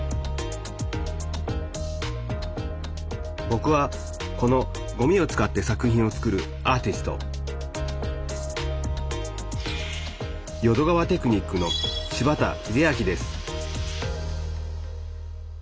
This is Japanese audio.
ぼくはこのごみを使って作品を作るアーティスト淀川テクニックの柴田英昭です